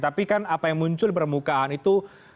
tapi kan apa yang muncul di permukaan itu